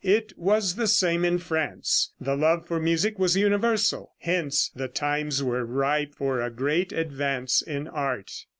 It was the same in France. The love for music was universal. Hence the times were ripe for a great advance in art.